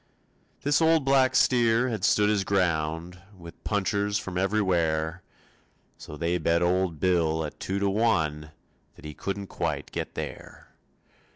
This old black steer had stood his ground With punchers from everywhere; So they bet old Bill at two to one That he couldn't quite get there.